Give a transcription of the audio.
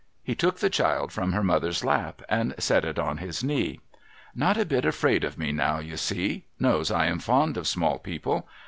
He took the child from her mother's lap and set it on his knee. ' Not a bit afraid of me now, you see. Knows I am fond of small people.